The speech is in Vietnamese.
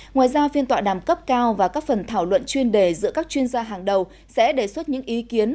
ngoài ra phiên tọa đàm cấp cao và các phần thảo luận chuyên đề giữa các chuyên gia hàng đầu sẽ đề xuất những ý kiến